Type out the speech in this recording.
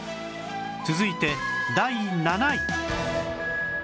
続いて第７位